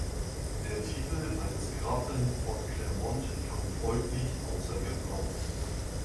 Der Titel eines Grafen von Clermont kam folglich außer Gebrauch.